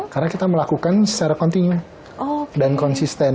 karena kita melakukan secara kontinu dan konsisten